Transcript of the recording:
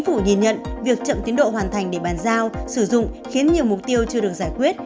bộ giao thông vận tải đã hoàn thành để bàn giao sử dụng khiến nhiều mục tiêu chưa được giải quyết